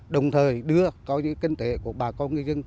đồng thời đưa có những kinh tế của bà con ngư dân